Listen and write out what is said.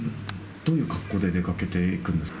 どういう格好で出かけていくんですか。